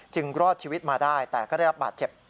รอดชีวิตมาได้แต่ก็ได้รับบาดเจ็บ